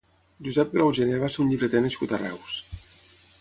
Josep Grau Gené va ser un llibreter nascut a Reus.